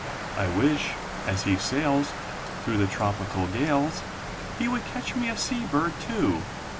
I wish, as he sails Through the tropical gales. He would catch me a sea bird, too.